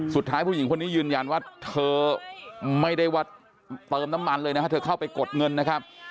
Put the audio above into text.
ผู้หญิงคนนี้ยืนยันว่าเธอไม่ได้ว่าเติมน้ำมันเลยนะฮะเธอเข้าไปกดเงินนะครับ